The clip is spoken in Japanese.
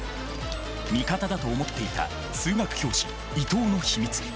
味方だと思っていた数学教師伊藤の秘密。